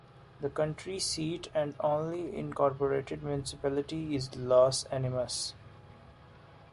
The county seat and only incorporated municipality is Las Animas.